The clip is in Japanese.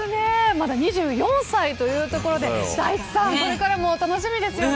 まだ２４歳というところでこれからも楽しみですね。